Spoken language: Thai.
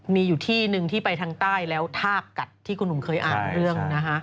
มีอยู่ที่หนึ่งที่ไปทางใต้แล้วท่ากัดที่คุณหนุ่มเคยอ่านเรื่องนะฮะ